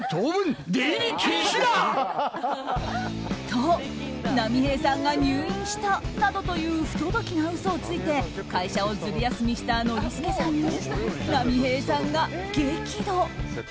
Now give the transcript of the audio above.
と、波平さんが入院したなどという不届きな嘘をついて会社をズル休みしたノリスケさんに波平さんが激怒。